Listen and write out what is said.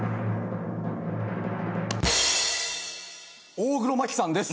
大黒摩季さんです。